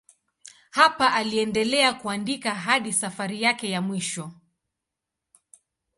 Hapa aliendelea kuandika hadi safari yake ya mwisho.